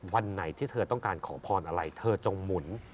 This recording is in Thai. วันไหนที่เธอต้องการขอพรอะไรเธอจงหมุน